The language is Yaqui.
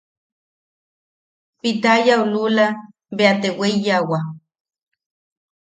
Pitayau lula bea te weiyawa.